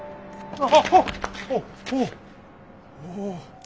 おお。